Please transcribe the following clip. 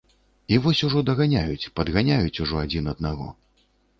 І вось ужо даганяюць, падганяюць ужо адзін аднаго.